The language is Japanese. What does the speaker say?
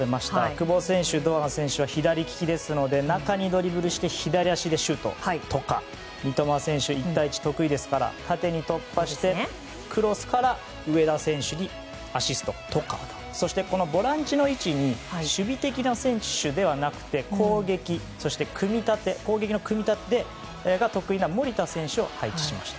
久保選手、堂安選手は左利きですので中にドリブルして左足でシュートとか三笘選手は１対１が得意ですから縦に突破してクロスから上田選手にアシストとかそして、ボランチの位置に守備的な選手ではなくて攻撃の組み立てが得意な守田選手を配置しました。